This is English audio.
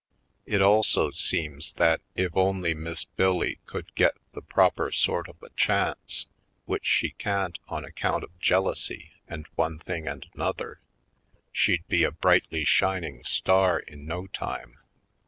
It also seems that if only Miss Bill Lee could get the proper sort of a chance, which she can't on account of jealousy and one thing and an other, she'd be a brightly shining star in no time.